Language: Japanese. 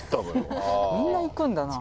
みんな行くんだな